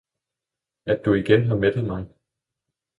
At du igen har mættet mig!